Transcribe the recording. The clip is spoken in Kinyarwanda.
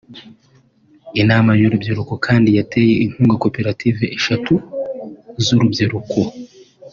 Inama y’urubyiruko kandi yateye inkunga koperative eshatu z’urubyiruko